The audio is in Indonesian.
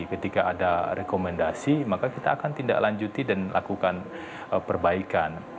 ketika ada rekomendasi maka kita akan tindak lanjuti dan lakukan perbaikan